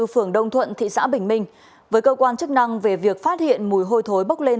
phường đông thuận thị xã bình minh với cơ quan chức năng về việc phát hiện mùi hôi thối bốc lên